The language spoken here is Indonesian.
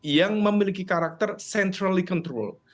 yang memiliki karakter centrally controlled